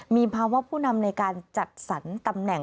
มีภาวะผู้นำในการจัดสรรตำแหน่ง